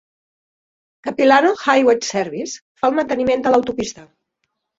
Capilano Highway Services fa el manteniment de l'autopista.